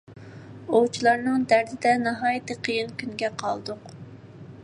ئوۋچىلارنىڭ دەردىدە ناھايىتى قىيىن كۈنگە قالدۇق.